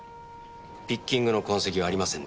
ピッキングの痕跡はありませんでした。